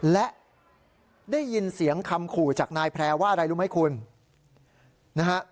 และได้ยินเสียงคำขู่จากนายแพร่ว่าอะไรรู้ไหมคุณนะฮะ